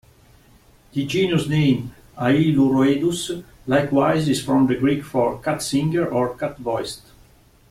The genus name "Ailuroedus" likewise is from the Greek for "cat-singer" or "cat-voiced".